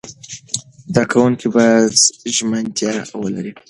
زده کوونکي باید ژمنتیا ولري.